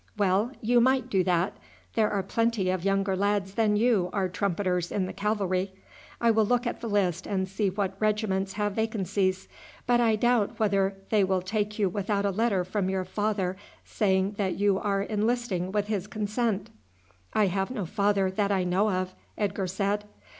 "Well, you might do that. There are plenty of younger lads than you are trumpeters in the cavalry. I will look at the list and see what regiments have vacancies; but I doubt whether they will take you without a letter from your father saying that you are enlisting with his consent." "I have no father that I know of," Edgar said.